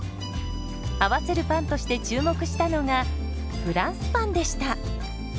合わせるパンとして注目したのがフランスパンでした。